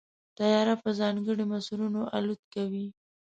طیاره په ځانګړو مسیرونو الوت کوي.